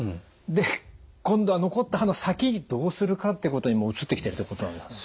で今度は残った歯の先どうするかっていうことにもう移ってきてるってことなんですか？